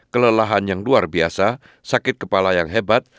kelelahan yang luar biasa sakit kepala yang hebat